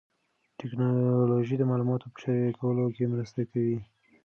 ټیکنالوژي د معلوماتو په شریکولو کې مرسته کوي.